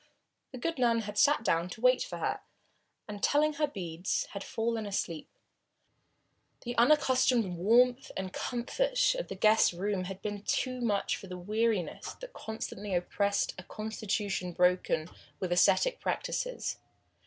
The good nun had sat down to wait for her, and telling her beads had fallen asleep. The unaccustomed warmth and comfort of the guest's room had been too much for the weariness that constantly oppressed a constitution broken with ascetic practices.